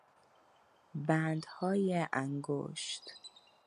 بندهای انگشت